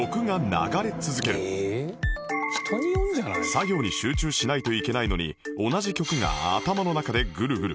作業に集中しないといけないのに同じ曲が頭の中でぐるぐる